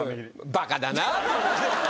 バカだなあ。